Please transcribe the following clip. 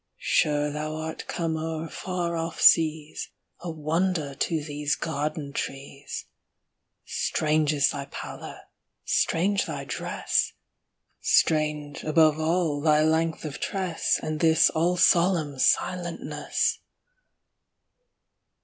Sure thou art come o'er far off seas, A wonder to these garden trees! Strange is thy pallor! strange thy dress! Strange, above all, thy length of tress, And this all solemn silentness!